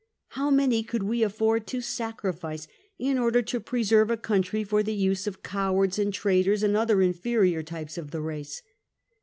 How many could we afford to sacrifice in order to preserve a country for the use of cowards and traitors, and other inferior types of the race?